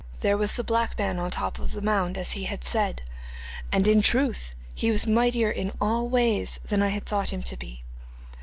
There was the black man on top of the mound, as he had said, and in truth he was mightier in all ways than I had thought him to be.